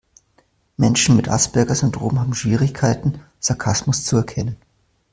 Menschen mit Asperger-Syndrom haben Schwierigkeiten, Sarkasmus zu erkennen.